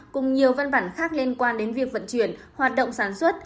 cùng nhiều văn bản khác liên quan đến việc vận chuyển hoạt động sản xuất